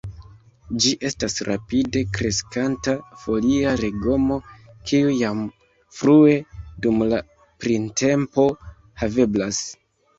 Ĝi estas rapide kreskanta folia legomo, kiu jam frue dum la printempo haveblas.